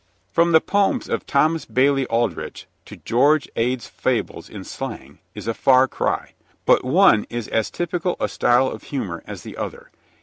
'" From the poems of Thomas Bailey Aldrich to George Ade's Fables in Slang is a far cry, but one is as typical a style of humor as the other.